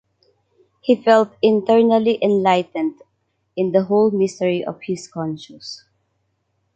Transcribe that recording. He felt internally enlightened in the whole mystery of his conscious.